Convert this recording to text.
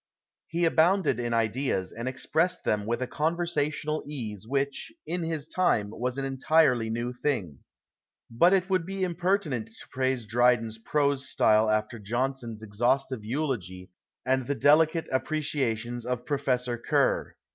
lie abounded in ideas, and expressed them witli a con\ersational ease which, in his time, was an entirely new thing. IJut it would lie imjiert incut to j^raise Drydens prose style alter .Johnsons exhausli\c eulogy and the delicate aj)j)reeiations of Professor Ker.